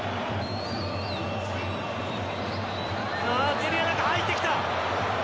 エリアの中、入ってきた。